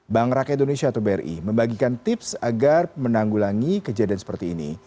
bank rakyat indonesia atau bri membagikan tips agar menanggulangi kejadian seperti ini